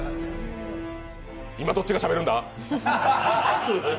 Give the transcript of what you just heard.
今、どっちがしゃべるんだ？